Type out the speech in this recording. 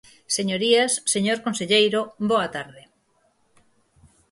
Señorías, señor conselleiro, boa tarde.